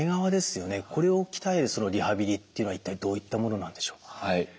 これを鍛えるそのリハビリっていうのは一体どういったものなんでしょう？